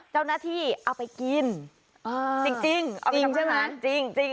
เจ้าหน้าที่เอาไปกินอ่าจริงจริงเอาไปกินใช่ไหมจริงจริง